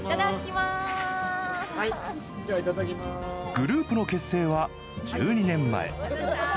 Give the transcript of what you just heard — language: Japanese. グループの結成は１２年前。